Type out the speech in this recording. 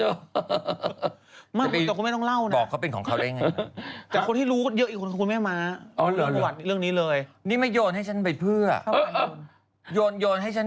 ทำไมล่ะถ้าคุณหญิงเขาพูดแล้วเขาด่าฉันก็ได้จริง